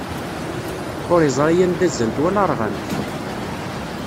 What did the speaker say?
Ur iẓri anda zzant wala ṛɣant.